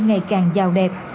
ngày càng giàu đẹp